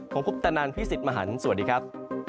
ผมพุทธนันทร์พี่สิทธิ์มหันธ์สวัสดีครับ